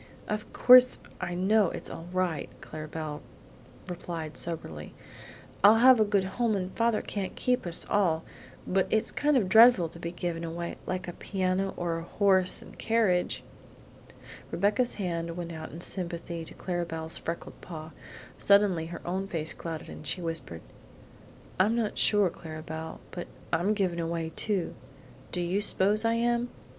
"Of course I know it's all right," Clara Belle replied soberly. "I'll have a good home and father can't keep us all; but it's kind of dreadful to be given away, like a piano or a horse and carriage!" Rebecca's hand went out sympathetically to Clara Belle's freckled paw. Suddenly her own face clouded and she whispered: "I'm not sure, Clara Belle, but I'm given away too do you s'pose I am?